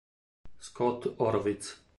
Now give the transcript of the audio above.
Scott Horowitz